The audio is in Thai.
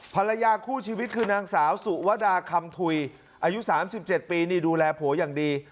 ภรรยาคู่ชีวิตคือนางสาวสุวดาคำถุยอายุ๓๗ปีนี่ดูแลผัวอย่างดี